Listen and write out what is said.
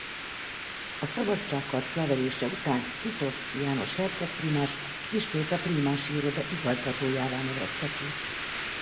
A szabadságharc leverése után Scitovszky János hercegprímás ismét a prímási iroda igazgatójává nevezte ki.